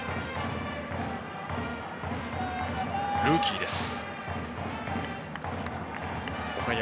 ルーキーです。